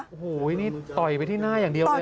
โอ้โหนี่ต่อยไปที่หน้าอย่างเดียวเลย